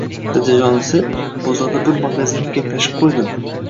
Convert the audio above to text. Dadajonisi, bozorda bir magazinni gaplashib qoʻydim